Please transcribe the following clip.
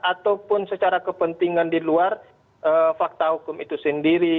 ataupun secara kepentingan di luar fakta hukum itu sendiri